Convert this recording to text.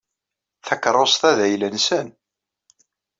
Takeṛṛust-a d ayla-nsen.